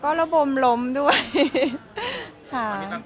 ก็ระบมล้มด้วยค่ะ